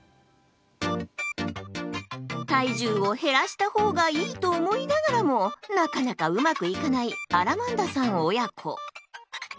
体重を減らした方がいいと思いながらもなかなかうまくいかないアラマンダさん親子。